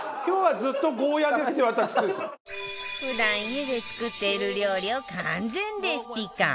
普段家で作っている料理を完全レシピ化